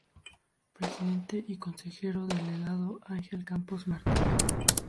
Presidente y Consejero Delegado: Ángel Campos Martin.